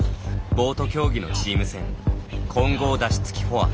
ボート競技のチーム戦混合舵手つきフォア。